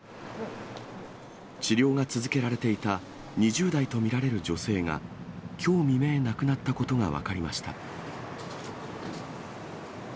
治療が続けられていた２０代と見られる女性が、きょう未明亡くなったことが分かりました。